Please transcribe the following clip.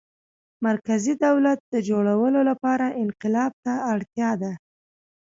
مرکزي دولت د جوړولو لپاره انقلاب ته اړتیا ده.